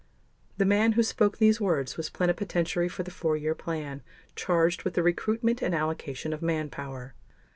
The man who spoke these words was Plenipotentiary for the Four Year Plan charged with the recruitment and allocation of manpower.